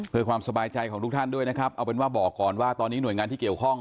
เพื่อความสบายใจของทุกท่านด้วยนะครับเอาเป็นว่าบอกก่อนว่าตอนนี้หน่วยงานที่เกี่ยวข้อง